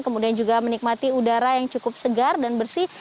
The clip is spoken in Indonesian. kemudian juga menikmati udara yang cukup segar dan bersih